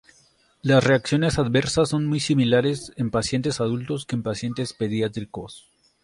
Las reacciones adversas son muy similares en pacientes adultos que en pacientes pediátricos.